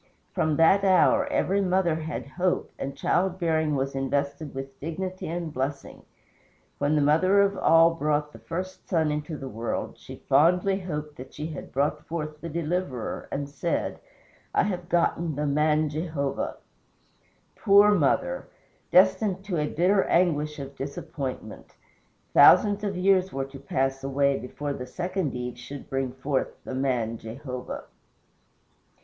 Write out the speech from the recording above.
From that hour every mother had hope, and child bearing was invested with dignity and blessing. When the mother of all brought the first son into the world, she fondly hoped that she had brought forth the Deliverer, and said, "I have gotten the MAN Jehovah." Poor mother! destined to a bitter anguish of disappointment! Thousands of years were to pass away before the second Eve should bring forth the MAN Jehovah.